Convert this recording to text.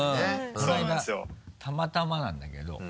このあいだたまたまなんだけど。